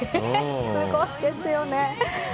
すごいですよね。